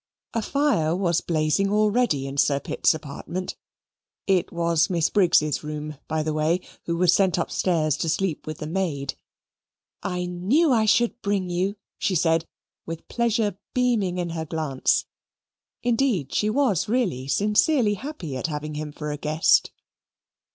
A fire was blazing already in Sir Pitt's apartment (it was Miss Briggs's room, by the way, who was sent upstairs to sleep with the maid). "I knew I should bring you," she said with pleasure beaming in her glance. Indeed, she was really sincerely happy at having him for a guest.